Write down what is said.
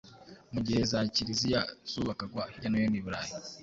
Mu gihe za Kiriziya zubakagwa hirya no hino i Burayi,